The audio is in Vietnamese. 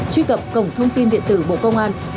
truy cập cổng thông tin điện tử bộ công an